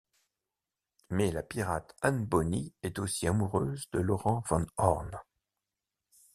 Mais la pirate Anne Bonny est aussi amoureuse de Laurent Van Horn.